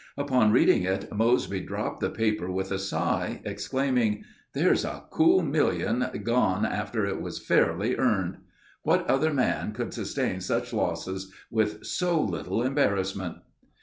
Upon reading it, Mosby dropped the paper with a sigh, exclaiming, "There's a cool million gone after it was fairly earned! What other man could sustain such losses with so little embarrassment?"